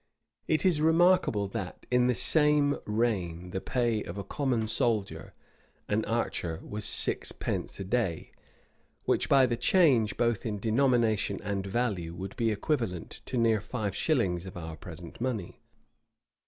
[] It is remarkable that, in the same reign, the pay of a common soldier, an archer, was sixpence a day; which, by the change both in denomination and value, would be equivalent to near five shillings of our present money.